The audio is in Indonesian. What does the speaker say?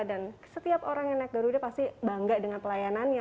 dan setiap orang yang naik garuda pasti bangga dengan pelayanannya